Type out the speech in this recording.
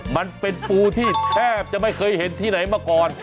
มันเป็นปูที่แทบจะไม่เคยเห็นที่ไหนมาก่อน